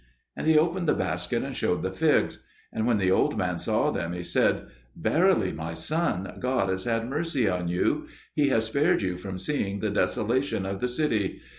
And he opened the basket and showed the figs. And when the old man saw them he said, "Verily, my son, God has had mercy on you. He has spared you from seeing the desolation of the city.